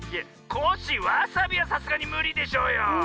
コッシーわさびはさすがにむりでしょうよ。